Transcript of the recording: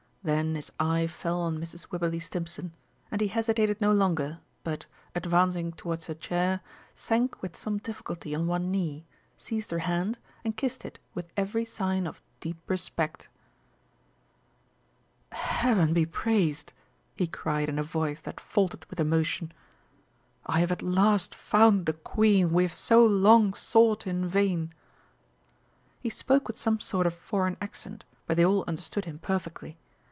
Then his eye fell on Mrs. Wibberley Stimpson, and he hesitated no longer, but, advancing towards her chair, sank with some difficulty on one knee, seized her hand, and kissed it with every sign of deep respect. "Heaven be praised!" he cried in a voice that faltered with emotion, "I have at last found the Queen we have so long sought in vain!" He spoke with some sort of foreign accent, but they all understood him perfectly.